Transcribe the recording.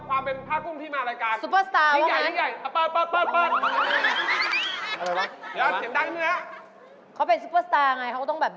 ซื้ออะไรครับซื้ออะไรมานี่เลย